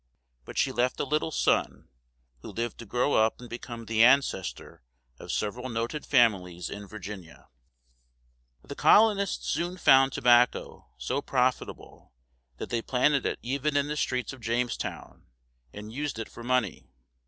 But she left a little son, who lived to grow up and became the ancestor of several noted families in Virginia. [Illustration: Wives for the Virginians.] The colonists soon found tobacco so profitable that they planted it even in the streets of Jamestown, and used it for money.